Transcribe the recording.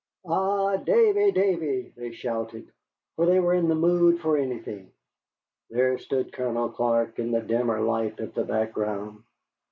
"Ay, Davy, Davy!" they shouted, for they were in the mood for anything. There stood Colonel Clark in the dimmer light of the background.